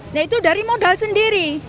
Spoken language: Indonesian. nah itu dari modal sendiri